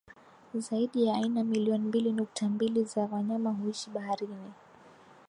Zaidi ya aina million mbili nukta mbilu za wanyama huishi baharini